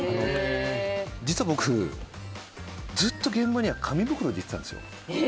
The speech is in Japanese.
実は僕、ずっと現場には紙袋で行ってたんですよ。